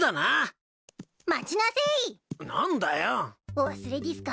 お忘れでぃすか？